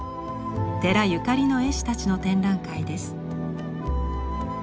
寺ゆかりの絵師たちの展覧会です。